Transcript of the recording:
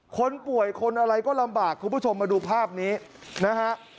คนป่วยคนอะไรก็ลำบากคุณผู้ชมมาดูภาพนี้นะฮะ